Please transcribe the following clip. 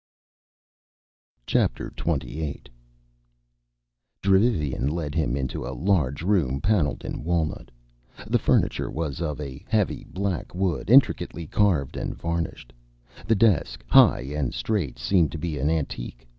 Chapter Twenty Eight Dravivian led him into a large room paneled in walnut. The furniture was of a heavy, black wood, intricately carved and varnished. The desk, high and straight, seemed to be an antique.